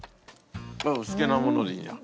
好きなものでいいじゃん。